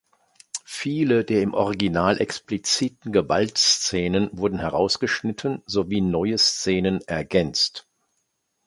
Viele der im Original expliziten Gewaltszenen wurden herausgeschnitten sowie neue Szenen ergänzt.